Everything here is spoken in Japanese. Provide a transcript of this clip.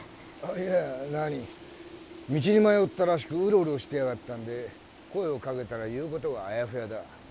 いやなに道に迷ったらしくうろうろしてやがったんで声をかけたら言う事があやふやだ。